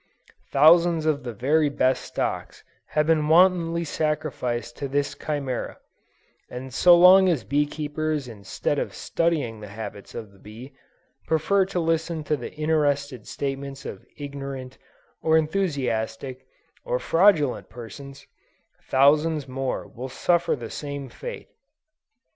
Thousands of the very best stocks have been wantonly sacrificed to this Chimera; and so long as bee keepers instead of studying the habits of the bee, prefer to listen to the interested statements of ignorant, or enthusiastic, or fraudulent persons, thousands more will suffer the same fate.